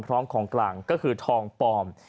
พร้อมของกลางก็คือทองปลอม